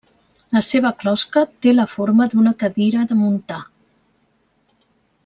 La seva closca té la forma d'una cadira de muntar.